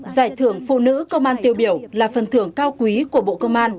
giải thưởng phụ nữ công an tiêu biểu là phần thưởng cao quý của bộ công an